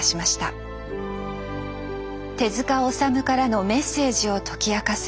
手治虫からのメッセージを解き明かす